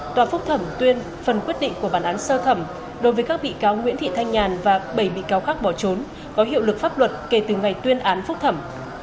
tòa phúc thẩm tuyên phần quyết định của bản án sơ thẩm đối với các bị cáo nguyễn thị thanh nhàn và bảy bị cáo khác bỏ trốn có hiệu lực pháp luật kể từ ngày tuyên án phúc thẩm